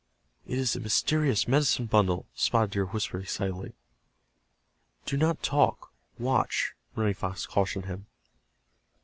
"It is the mysterious medicine bundle!" Spotted Deer whispered, excitedly. "Do not talk—watch," Running Fox cautioned him.